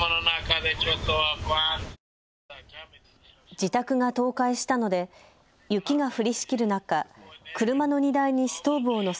自宅が倒壊したので雪が降りしきる中、車の荷台にストーブを載せ